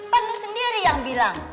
panu sendiri yang bilang